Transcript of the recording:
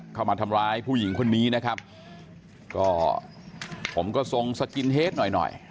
เข้ามาทำร้ายผู้หญิงคนนี้นะครับก็ผมก็ทรงสกินเฮดหน่อยหน่อย